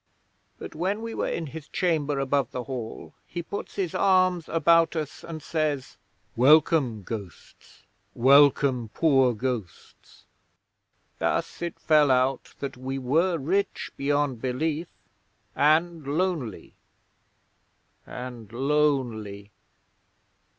but when we were in his chamber above the Hall he puts his arms about us and says, "Welcome, ghosts! Welcome, poor ghosts!" ... Thus it fell out that we were rich beyond belief, and lonely. And lonely!'